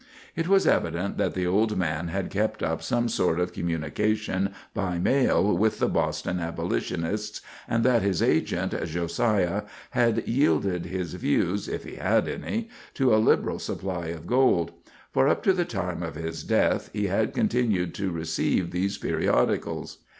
It was evident that the old man had kept up some sort of communication by mail with the Boston abolitionists, and that his agent, Josiah, had yielded his views, if he had any, to a liberal supply of gold; for up to the time of his death he had continued to receive these periodicals.